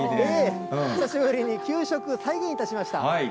久しぶりに給食、再現いたしました。